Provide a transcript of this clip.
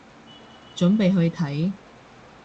準備去睇